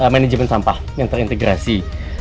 manajemen sampah yang terintegrasi